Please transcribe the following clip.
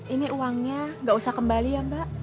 ini uangnya nggak usah kembali ya mbak